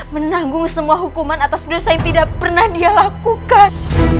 menanggung semua hukuman atas dosa yang tidak pernah dia lakukan